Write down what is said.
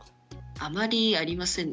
あまりありませんね。